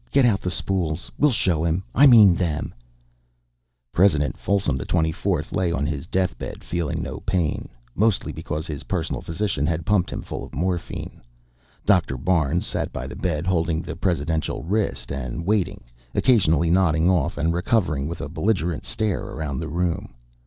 "Get out the spools. We'll show him. I mean them." President Folsom XXIV lay on his death bed, feeling no pain, mostly because his personal physician had pumped him full of morphine. Dr. Barnes sat by the bed holding the presidential wrist and waiting, occasionally nodding off and recovering with a belligerent stare around the room.